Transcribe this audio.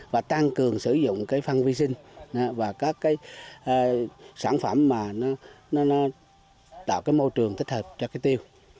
và tăng cường sử dụng phân vi sinh và các sản phẩm tạo môi trường thích hợp cho cây tiêu